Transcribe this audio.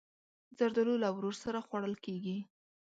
زردالو له ورور سره خوړل کېږي.